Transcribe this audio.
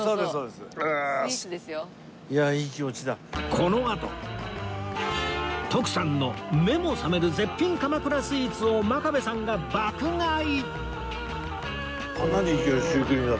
このあと徳さんの目も覚める絶品鎌倉スイーツを真壁さんが爆買い